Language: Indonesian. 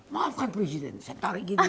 maafkan presiden saya tarik gitu